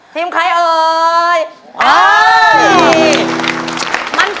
เรียกประกันแล้วยังคะ